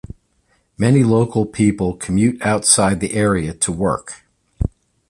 Many local people commute outside the area to work.